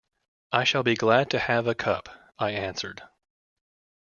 ‘I shall be glad to have a cup,’ I answered.